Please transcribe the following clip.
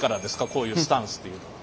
こういうスタンスっていうのは。